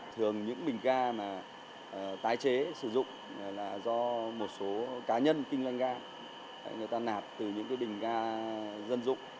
thường những bình ga mà tái chế sử dụng là do một số cá nhân kinh doanh ga người ta nạp từ những cái bình ga dân dụng